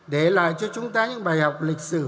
để lại cho chúng ta những bài học lịch sử